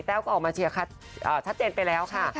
แววก็ออกมาเชียร์ชัดเจนไปแล้วค่ะ